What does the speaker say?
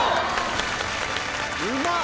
うまっ！